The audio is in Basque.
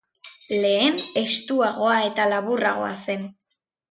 Lehen estuagoa eta laburragoa zen.